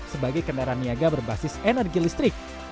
sebagai kendaraan niaga berbasis energi listrik